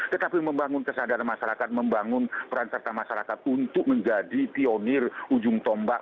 tetapi membangun kesadaran masyarakat membangun peran serta masyarakat untuk menjadi pionir ujung tombak